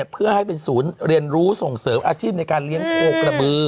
เพื่อให้เป็นศูนย์เรียนรู้ส่งเสริมอาชีพในการเลี้ยงโคกระบือ